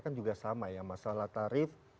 kan juga sama ya masalah tarif